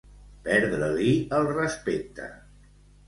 Perdre-li el respecte.